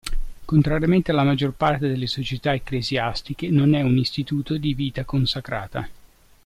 Contrariamente alla maggior parte delle società ecclesiastiche, non è un istituto di vita consacrata.